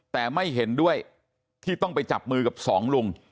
แต่ไม่เห็นด้วยที่ต้องไปจับมือกับสองลุง